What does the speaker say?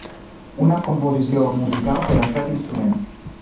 Una composició musical per a set instruments.